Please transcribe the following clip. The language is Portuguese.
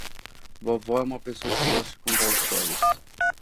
Vovó é uma pessoa que gosta de contar histórias.